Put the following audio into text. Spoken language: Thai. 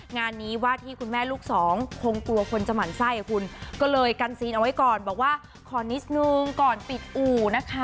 งานนี้ว่าที่คุณแม่ลูกสองคงกลัวคนจะหมั่นไส้อ่ะคุณก็เลยกันซีนเอาไว้ก่อนบอกว่าขอนิดนึงก่อนปิดอู่นะคะ